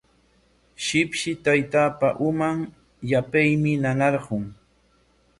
Shipshi taytaapa uman yapaymi nanarqun.